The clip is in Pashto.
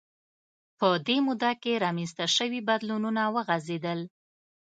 په دې موده کې رامنځته شوي بدلونونه وغځېدل